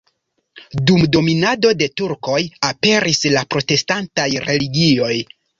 Dum dominado de turkoj aperis la protestantaj religioj.